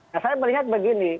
nah saya melihat begini